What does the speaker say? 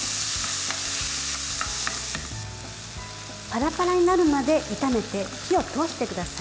パラパラになるまで炒めて火を通してください。